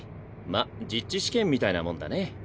まっ実地試験みたいなもんだね。